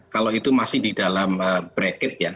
kalau itu masih di dalam brecket ya